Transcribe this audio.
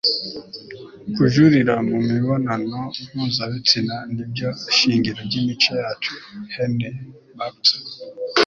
kujurira mu mibonano mpuzabitsina ni byo shingiro ry'imico yacu - henri bergson